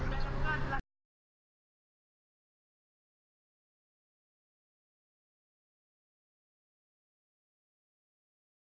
lalu di kecamatan gangga kabupaten lombok utara